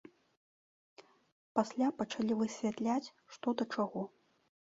Пасля пачалі высвятляць, што да чаго.